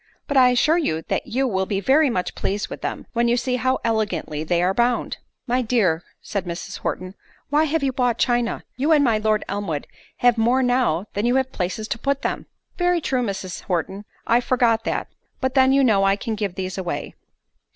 But I assure you that you will be very much pleased with them, when you see how elegantly they are bound." "My dear," said Mrs. Horton, "why have you bought china? You and my Lord Elmwood have more now, than you have places to put them in." "Very true, Mrs. Horton—I forgot that—but then you know I can give these away."